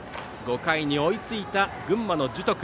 ５回に追いついた群馬の樹徳。